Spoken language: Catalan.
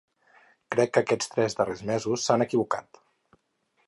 Crec que aquests tres darrers mesos s’han equivocat.